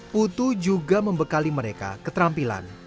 putu juga membekali mereka keterampilan